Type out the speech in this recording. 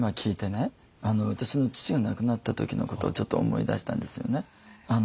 私の父が亡くなった時のことをちょっと思い出したんですよね。